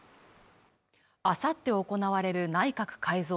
あさって行われる内閣改造